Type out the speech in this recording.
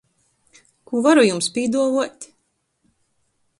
Kū varu jums pīduovuot?